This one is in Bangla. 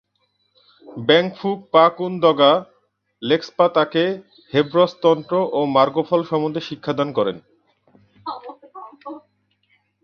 ব্যাং-ফুগ-পা-কুন-দ্গা'-লেগ্স-পা তাকে হেবজ্র তন্ত্র ও মার্গফল সম্বন্ধে শিক্ষাদান করেন।